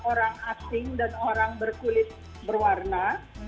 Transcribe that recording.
orang asing dan orang berkulit berwarna